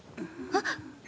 あっ。